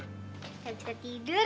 gak bisa tidur